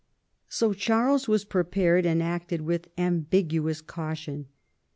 So Charles was prepared, and acted with ambiguous caution.